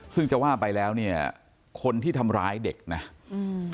ซึ่งจะว่าไปแล้วเนี่ยคนที่ทำร้ายเด็กนะอืม